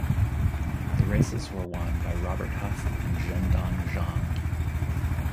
The races were won by Robert Huff and Zhendong Zhang.